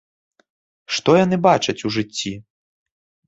Што яны бачаць у жыцці?